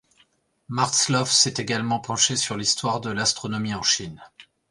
Martzloff s'est également penché sur l'histoire de l'astronomie en Chine.